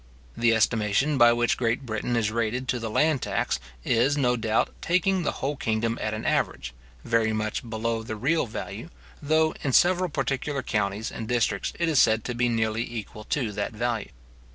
The estimation by which Great Britain is rated to the land tax is, no doubt, taking the whole kingdom at an average, very much below the real value; though in several particular counties and districts it is said to be nearly equal to that value.